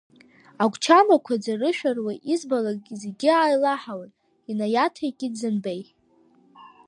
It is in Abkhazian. Агәчамақәа ӡарышәаруа, избалак зегьы аилаҳауан, инаиаҭаикит Занбеи.